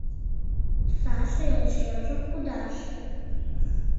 Саша йолчиемжым кудаше.